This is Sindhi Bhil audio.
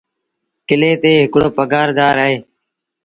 ڪلي تي هڪڙو پگھآر دآر اهي۔